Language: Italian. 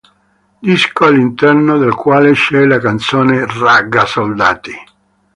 Disco all'interno del quale c'è la canzone: "Ragga soldati".